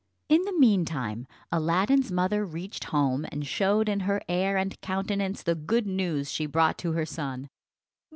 In the meantime Aladdin's mother reached home, and showed in her air and countenance the good news she brought to her son.